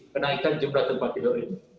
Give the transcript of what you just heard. kenaikan jumlah tempat tidur ini